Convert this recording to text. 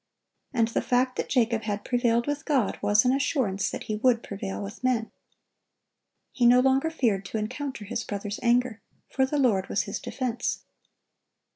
And the fact that Jacob had prevailed with God was an assurance that he would prevail with men. He no longer feared to encounter his brother's anger; for the Lord was his defense.